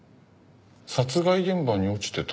殺害現場に落ちてた？